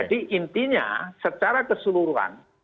jadi intinya secara keseluruhan